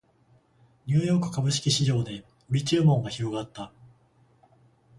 ニューヨーク株式市場で売り注文が広がった